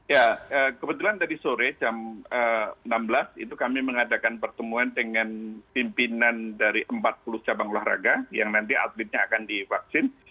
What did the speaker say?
ya kebetulan tadi sore jam enam belas itu kami mengadakan pertemuan dengan pimpinan dari empat puluh cabang olahraga yang nanti atletnya akan divaksin